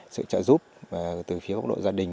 sự trợ giúp từ phía quốc đội gia đình